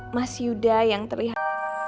mas yuda yang terlihat